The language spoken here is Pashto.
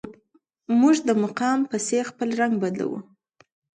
موږ د مقام پسې خپل رنګ بدلوو.